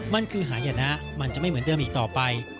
มันคือหายนะมันจะไม่เหมือนเดิมอีกต่อไป